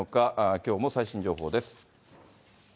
きょうも最新情報です。